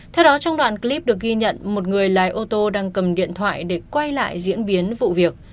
theo đó trong đoạn clip được ghi nhận một người lái ô tô đang cầm điện thoại để quay lại diễn biến vụ việc